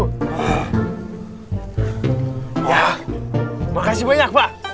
terima kasih banyak pak